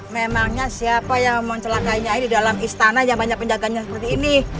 memangnya siapa yang mencelakai nyai dalam istana yang banyak penjaganya seperti ini